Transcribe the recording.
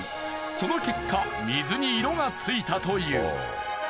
その結果水に色がついたという。